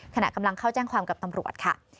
ขณะกำลังเข้าแจ้งความกับตำรวจค่ะ